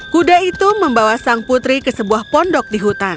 kuda itu membawa sang putri ke sebuah pondok di hutan